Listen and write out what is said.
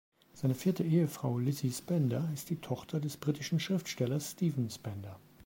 Seine vierte Ehefrau Lizzie Spender ist die Tochter des britischen Schriftstellers Stephen Spender.